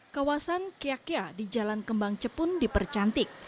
kawasan kiyakya di jalan kembang jepun dipercantik